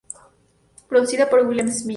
Producida por Will Smith.